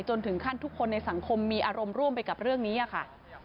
จนถึงขั้นทุกคนในสังคมมีอารมณ์ร่วมไปกับเรื่องนี้ค่ะ